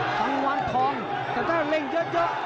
กังวันทองแต่ก็จะเล่นเยอะ